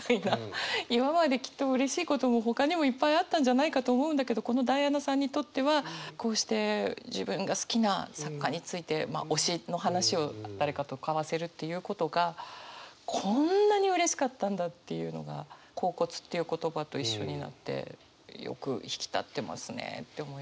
今まできっとうれしいこともほかにもいっぱいあったんじゃないかと思うんだけどこのダイアナさんにとってはこうして自分が好きな作家について推しの話を誰かと交わせるっていうことがこんなにうれしかったんだっていうのが「恍惚」という言葉と一緒になってよく引き立ってますねって思います。